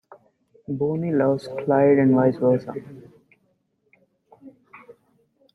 Bonnie loves Clyde and vice versa.